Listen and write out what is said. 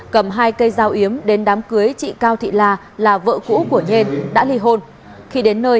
cầm hai cây dao yếm đến đám cưới chị cao thị la là vợ cũ của nhiên đã li hôn